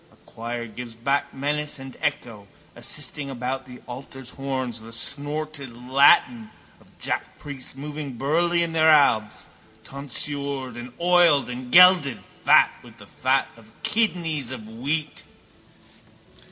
A choir gives back menace and echo, assisting about the altar's horns, the snorted Latin of jackpriests moving burly in their albs, tonsured and oiled and gelded, fat with the fat of kidneys of wheat.